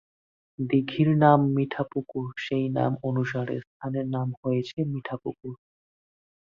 দিঘির নাম মিঠাপুকুর সেই নাম অনুসারে স্থানের নাম হয়েছে মিঠাপুকুর।